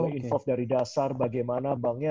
kita mulai dari dasar bagaimana banknya